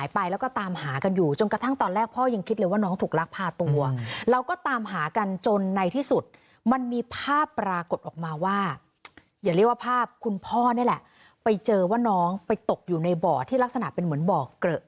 ภาพคุณพ่อเนี่ยแหละไปเจอว่าน้องไปตกอยู่ในบ่อที่ลักษณะเป็นเหมือนบ่อเกลอะ